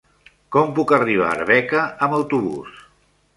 Com puc arribar a Arbeca amb autobús?